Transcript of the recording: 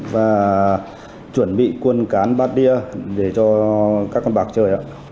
và chuẩn bị quân cán bát đia để cho các con bạc chơi ạ